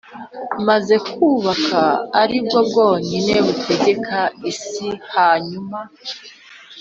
maze bukaba ari bwo bwonyine butegeka isi Hanyuma